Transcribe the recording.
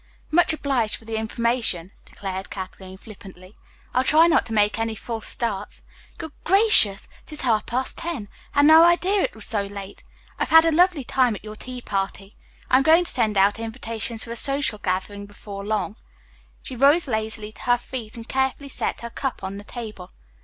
"Much obliged for the information," declared Kathleen flippantly. "I'll try not to make any false starts. Good gracious! It is half past ten. I had no idea it was so late. I've had a lovely time at your tea party. I'm going to send out invitations for a social gathering before long." She rose lazily to her feet, and carefully set her cup on the table.